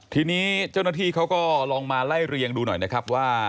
ทีนี้เจ้าหน้าที่เขาก็ลองมาไล่เรียงดูหน่อยนะครับว่า